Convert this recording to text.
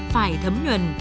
phải thấm nhuận